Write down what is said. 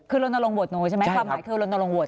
คือลดนรงบทโน้นใช่ไหมความหมายคือลดนรงบท